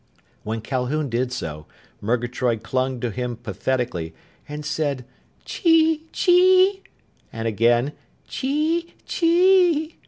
When Calhoun did so, Murgatroyd clung to him pathetically and said "Chee chee!" and again "_Chee chee!